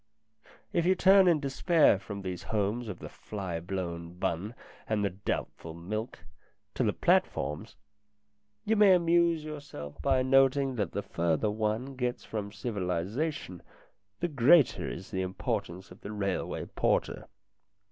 If you turn in despair from these homes of the fly blown bun and the doubtful milk, to the platforms, you may amuse yourself by noting that the further one gets from civilization, the greater is the importance of the railway porter.